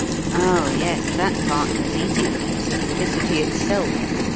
Oh, yes, that part was easy, simplicity itself.